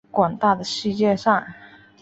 广大的世界上